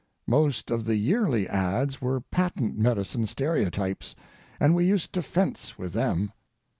Most of the yearly ads were patent medicine stereotypes, and we used to fence with them.